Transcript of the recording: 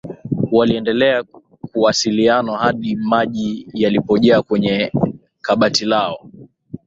waliendelea kuwasiliano had maji yalipojaa kwenye kabati lao